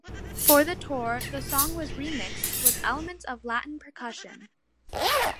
For the tour, the song was remixed with elements of latin percussion.